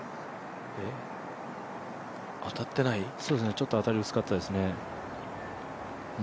ちょっと当たり薄かったですね。